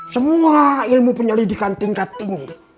semua ilmu penyelidikan tingkat tinggi